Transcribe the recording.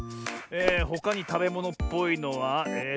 ほかにたべものっぽいのはえと。